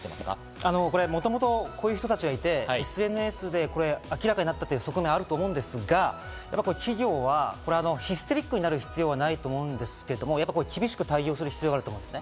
もともとこういう人たちがいて、ＳＮＳで明らかになったという側面があると思うんですが、これ、企業はヒステリックになる必要はないと思うんですけど、厳しく対応する必要があると思うんですね。